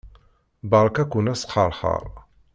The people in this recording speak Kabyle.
Beṛka-ken asxeṛxeṛ.